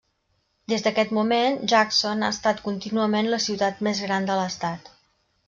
Des d'aquest moment, Jackson ha estat contínuament la ciutat més gran de l'estat.